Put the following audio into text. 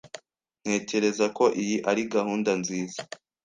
Ntekereza ko iyi ari gahunda nziza.